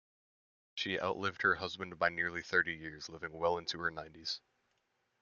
She outlived her husband by nearly thirty years, living well into her nineties.